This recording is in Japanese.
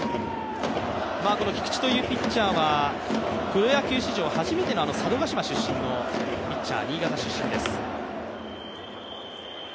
この菊地というピッチャーはプロ野球史上初めての佐渡島出身のピッチャー新潟出身です。